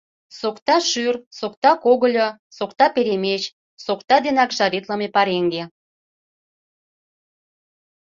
Сокта шӱр, сокта когыльо, сокта перемеч, сокта денак жаритлыме пареҥге.